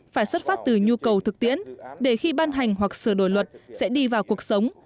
phải xuất phát từ nhu cầu thực tiễn để khi ban hành hoặc sửa đổi luật sẽ đi vào cuộc sống